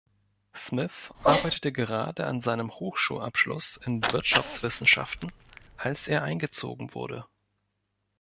Smith arbeitete gerade an seinem Hochschulabschluss in Wirtschaftswissenschaften, als er eingezogen wurde.